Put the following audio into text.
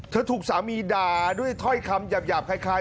ถูกสามีด่าด้วยถ้อยคำหยาบคล้าย